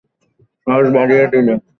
সাহস বাড়িয়ে দিলে।